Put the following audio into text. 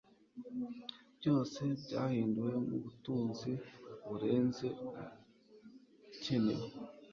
Byose byahinduwe mubutunzi burenze ubukenewe